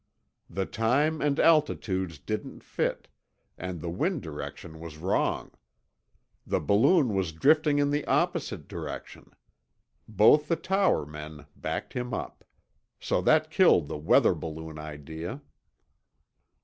The time and altitudes didn't fit, and the wind direction was wrong. The balloon was drifting in the opposite direction. Both the tower men backed him up. So that killed the weather balloon idea."